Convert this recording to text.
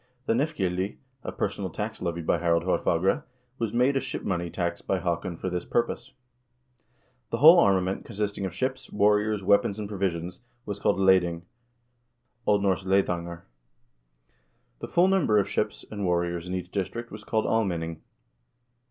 The nefgildi, a personal tax levied by Harald Haarfagre, was made a shipmoney tax by Haakon for this purpose. The whole armament, consisting of ships, warriors, weapons, and provisions, was called leding (O. N. leidangr). The full number of ships and warriors in each district was called ahnenning.